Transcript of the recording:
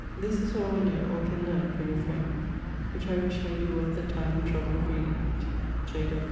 This is all I know or can learne for yoʳ friend; which I wish may be worth the time and treble of reading it. J.